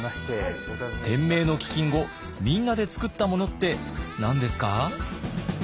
天明の飢饉後みんなでつくったものって何ですか？